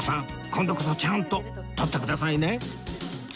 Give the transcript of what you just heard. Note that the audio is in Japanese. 今度こそちゃんと撮ってくださいね！